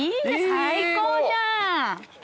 最高じゃん。